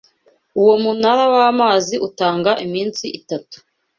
Uwo munara wamazi utanga iminsi itatu.